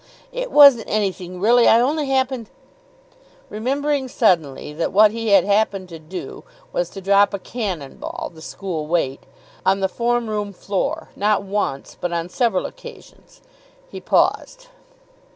'" "It wasn't anything really. I only happened " Remembering suddenly that what he had happened to do was to drop a cannon ball (the school weight) on the form room floor, not once, but on several occasions, he paused.